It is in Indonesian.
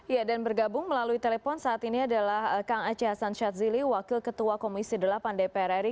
ya dan bergabung melalui telepon saat ini adalah kang aceh hasan syadzili wakil ketua komisi delapan dpr ri